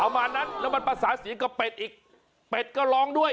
ประมาณนั้นแล้วมันภาษาเสียงกับเป็ดอีกเป็ดก็ร้องด้วย